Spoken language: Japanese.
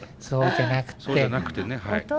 そうじゃなくてねはい。